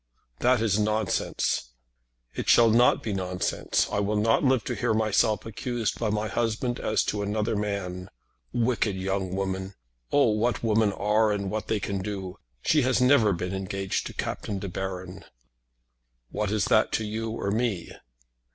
"That is nonsense." "It shall not be nonsense. I will not live to hear myself accused by my husband as to another man. Wicked young woman! Oh, what women are and what they can do! She has never been engaged to Captain De Baron." "What is that to you or me?"